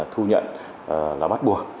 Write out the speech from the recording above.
thu nhận là bắt buộc